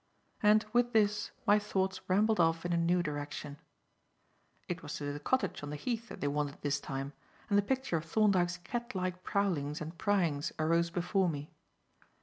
And with this, my thoughts rambled off in a new direction. It was to the cottage on the Heath that they wandered this time, and the picture of Thorndyke's cat like prowlings and pryings arose before me.